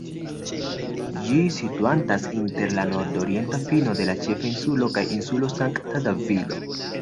Ĝi situantas inter la nordorienta fino de la ĉefa insulo kaj Insulo Sankta Davido.